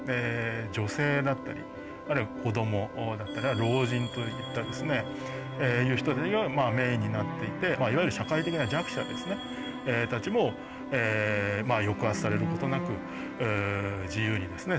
女性だったりあるいは子供老人といったですねという人がメインになっていていわゆる社会的な弱者たちも抑圧されることなく自由にですね